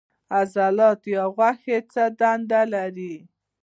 عضلات یا غوښې څه دنده لري